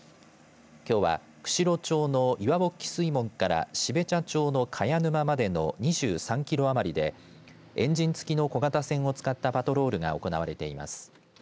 きょうは釧路町の岩保木水門から標茶町の茅沼までの２３キロ余りでエンジン付きの小型船を使ったパトロールが行われています。